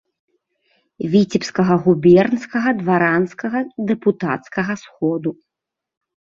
Віцебскага губернскага дваранскага дэпутацкага сходу.